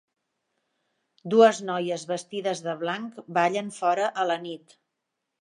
Dues noies vestides de blanc ballen fora a la nit.